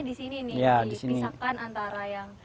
di sini nih di pisahkan antara yang